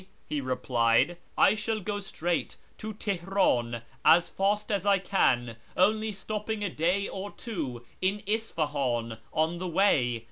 " he replied ;" I shall go straight to Teheran as fast as I can, only stopping a day or two in Isfahan on the way.